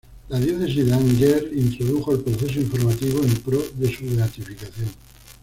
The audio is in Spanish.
La diócesis de Angers introdujo el proceso informativo en pro de su beatificación.